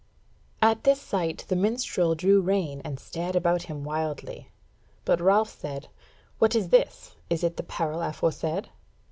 At this sight the minstrel drew rein and stared about him wildly; but Ralph said: "What is this, is it the peril aforesaid?"